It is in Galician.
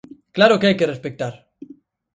Claro que hai que respectar!